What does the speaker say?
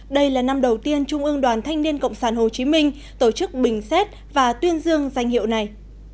đây là năm đầu tiên trung ương đoàn thanh niên cộng sản hồ chí minh tổ chức bình xét và tuyên dương danh hiệu này